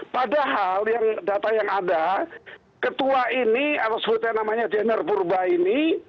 padahal data yang ada ketua ini atau sebutnya namanya jenner purba ini